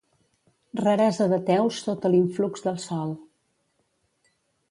Raresa d'ateu sota l'influx del sol.